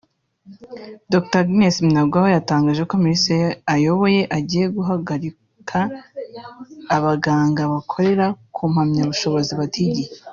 Dr Agnes Binagwaho yatangaje ko Minisiteri ayoboye igiye guhagurukira abaganga bakorera ku mpamyabushobozi batigiye